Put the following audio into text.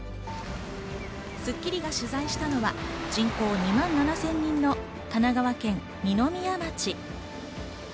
『スッキリ』が取材したのは人口２万７０００人の神奈川県二宮町。